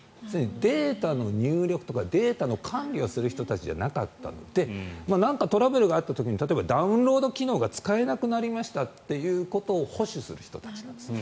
データの入力とかデータの管理をする人たちじゃなかったのでなんかトラブルがあった時に例えばダウンロード機能が使えなくなりましたということを保守する人たちなんですね。